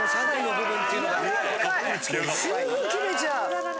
すぐ切れちゃう。